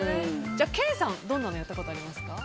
ケイさんはどんなのをやったことがありますか？